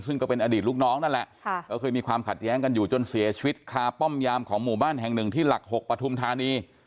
ซึ่งก็เป็นอดีตลูกน้องนั่นแหละก็เคยมีความขัดแย้งกันอยู่จนเสียชีวิตคาป้อมยามของหมู่บ้านแห่งหนึ่งที่หลัก๖ปฐุมธานี